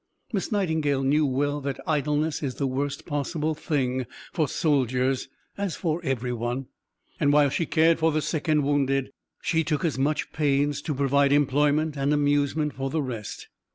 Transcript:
Miss Nightingale knew well that idleness is the worst possible thing for soldiers (as for everyone); and while she cared for the sick and wounded, she took as much pains to provide employment and amusement for the rest.